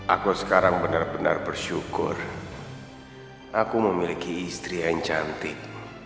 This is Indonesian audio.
aku sekarang benar benar bersyukur aku memiliki istri yang cantik